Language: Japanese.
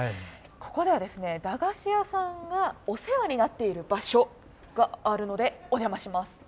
ここでは駄菓子屋さんがお世話になっている場所があるので、お邪魔します。